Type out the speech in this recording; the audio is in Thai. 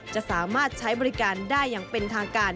จะสามารถใช้บริการได้อย่างเป็นทางการ